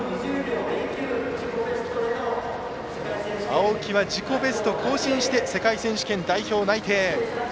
青木は、自己ベスト更新して世界選手権代表内定。